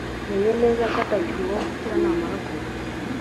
menye neza ko atakiri uwo gukira namara kugwa